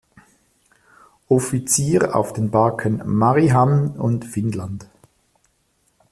Offizier auf den Barken "Mariehamn" und "Finland".